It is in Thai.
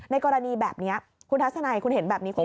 กรณีแบบนี้คุณทัศนัยคุณเห็นแบบนี้คุณ